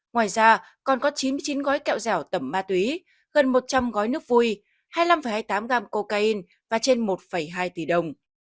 ngoài ra còn có chín mươi chín gói kẹo dẻo tẩm ma túy gần một trăm linh gói nước vui hai mươi năm hai mươi tám gram cocaine và trên một hai tỷ đồng